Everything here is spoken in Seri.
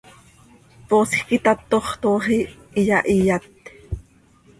Poosj quih itatox, toox iyahiyat.